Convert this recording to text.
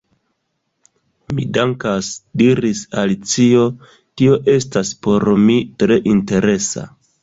"Mi dankas," diris Alicio, "tio estas por mi tre interesa. »